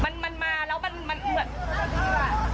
มันนั่นแหละมันเมามันนั่นแหละ